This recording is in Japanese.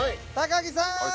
木さん！